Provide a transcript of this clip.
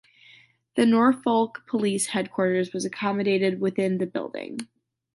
The Norfolk Police headquarters was accommodated within the building.